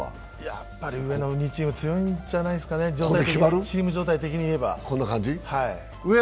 やっぱり上の２チームが強いんじゃないですかね、状態的に言えば。